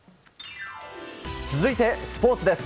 続いてスポーツです。